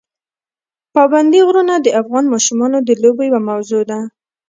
پابندي غرونه د افغان ماشومانو د لوبو یوه موضوع ده.